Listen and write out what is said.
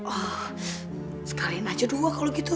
oh sekalin aja dua kalau gitu